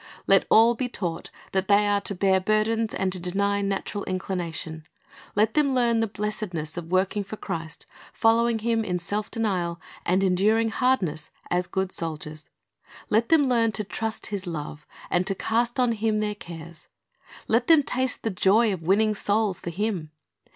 Let all be taught that they are to bear burdens and to deny natural inclination. Let them learn the blessedness of working for Christ, following Him in self denial, and enduring hardness ' as good soldiers. Let them learn to trust His love and to cast on Him their cares. Let them taste the joy of winning souls for Him.